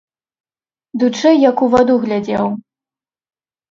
Дучэ як у ваду глядзеў.